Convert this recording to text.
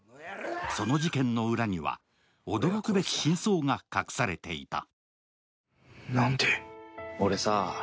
その事件の裏には驚くべき真相が隠されていた。